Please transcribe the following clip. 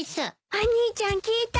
お兄ちゃん聞いた？